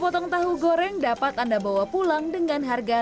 sepuluh potong tahu goreng dapat anda bawa pulang dengan harga rp lima belas